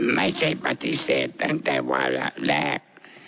ไม่ใช่ปฏิเสธตั้งแต่วาระแรก